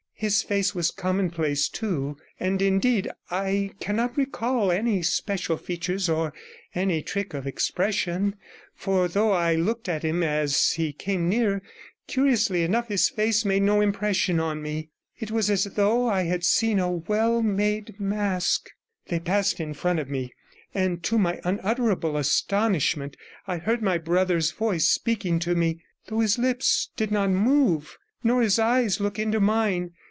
The face was commonplace too, and indeed I cannot recall any special features, or any trick of expression; for though I looked at him as he came near, curiously enough his face made no impression on me — it was as though I had seen a well made mask. They passed in front of me, and to my unutterable astonishment, I heard my brother's voice speaking to me, though his lips did not move, nor his eyes look into mine.